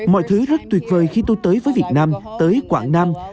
mọi thứ rất tuyệt vời khi tôi tới với việt nam tới quảng nam